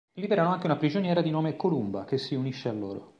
Liberano anche una prigioniera di nome Columba, che si unisce a loro.